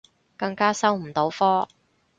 更加收唔到科